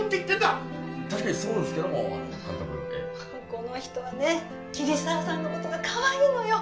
この人はね桐沢さんの事がかわいいのよ。